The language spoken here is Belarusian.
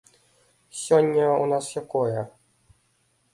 Сёння ў нас якое?